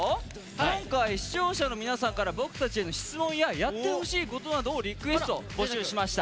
今回、視聴者の皆さんから僕たちへ質問や、やってほしいことなどをリクエスト募集しました。